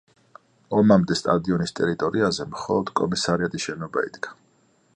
ომამდე სტადიონის ტერიტორიაზე მხოლოდ კომისარიატის შენობა იდგა.